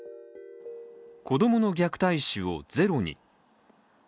子供の虐待死をゼロに。